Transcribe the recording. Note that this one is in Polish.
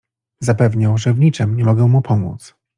"Zapewniał, że w niczem nie mogę mu pomóc."